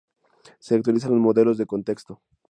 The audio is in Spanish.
Se actualizan los modelos de contexto.